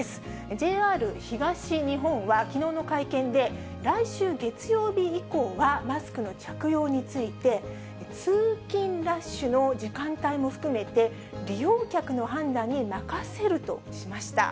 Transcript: ＪＲ東日本は、きのうの会見で、来週月曜日以降は、マスクの着用について、通勤ラッシュの時間帯も含めて、利用客の判断に任せるとしました。